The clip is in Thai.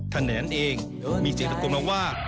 ท่านแนนเองมีเสียงสกมลวงว่า